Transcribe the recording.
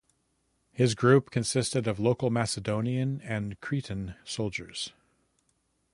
His group consisted of local Macedonian and Cretan soldiers.